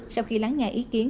sau khi lắng nghe ý kiến